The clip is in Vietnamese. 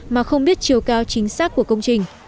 mà không biết chiều cao chính xác của công trình